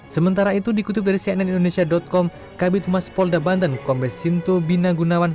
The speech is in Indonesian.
sementara itu dikutip dari cnn indonesia com kb tumas polda banten kompes sinto binagunawan